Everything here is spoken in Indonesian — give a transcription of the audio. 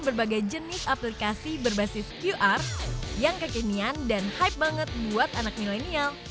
berbagai jenis aplikasi berbasis qr yang kekinian dan hype banget buat anak milenial